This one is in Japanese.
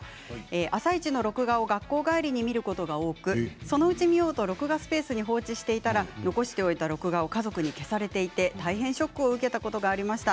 「あさイチ」の録画を学校帰りに見ることが多くそのうち見ようと録画スペースに放置しておいたら残しておいた録画を家族に消されていて大変ショックを受けたことがありました。